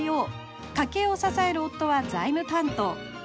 家計を支える夫は財務担当。